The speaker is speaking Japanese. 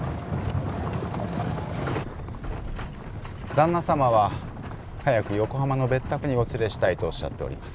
旦那様は早く横浜の別宅にお連れしたいとおっしゃっております。